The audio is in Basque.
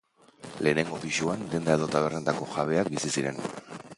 Lehenengo pisuan, denda edo tabernetako jabeak bizi ziren.